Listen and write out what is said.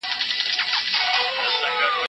ماسوم ته مینه ورکول د هغه حق دی.